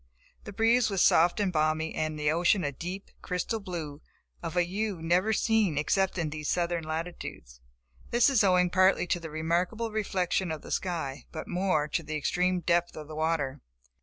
The breeze was soft and balmy, and the ocean a deep, crystal blue, of a hue never seen except in these southern latitudes. This is owing partly to the remarkable reflection of the sky but more to the extreme depth of the water.